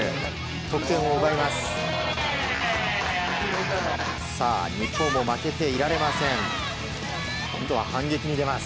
得点を奪います。